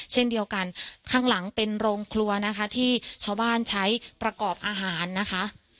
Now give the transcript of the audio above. เช่นเดียวกันข้างหลังเป็นโรงครัวนะคะที่ชาวบ้านใช้ประกอบอาหารนะคะ